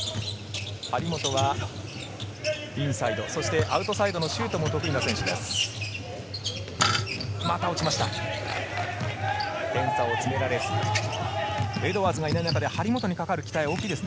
張本はインサイド、そしてアウトサイドのシュートも得意な選手です。